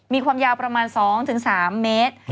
มีความยาวประมาณ๒๓เมตร